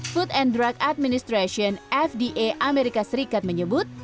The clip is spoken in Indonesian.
food and drug administration fda amerika serikat menyebut